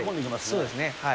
そうですね。